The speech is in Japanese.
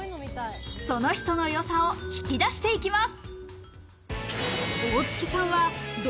その人のよさを引き出していきます。